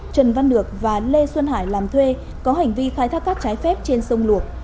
trần văn được và lê xuân hải làm thuê có hành vi khai thác cát trái phép trên sông luộc